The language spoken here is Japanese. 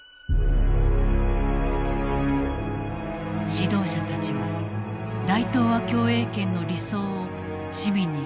指導者たちは大東亜共栄圏の理想を市民に語り続けていた。